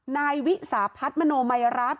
นายวิสาพัฒน์มโนมัยรัฐ